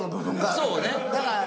そうね。